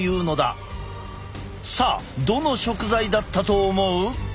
さあどの食材だったと思う？